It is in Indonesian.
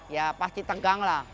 ya pasti tegang lah